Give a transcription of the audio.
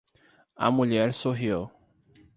A mulher sorriu.